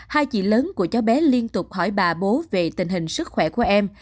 hai chị lớn của cháu bé liên tục hỏi bà bố về tình hình sức khỏe của em